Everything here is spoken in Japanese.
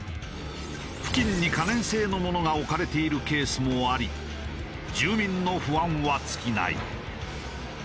付近に可燃性の物が置かれているケースもあり住民の不安は尽きない。